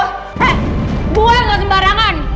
he gue gak sembarangan